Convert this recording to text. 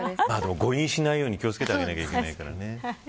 誤飲しないように気を付けてあげないといけないね。